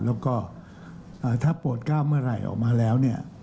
แล้วก็ถ้าโปรดก้าวเมื่อไหร่ออกมาแล้วเนี่ย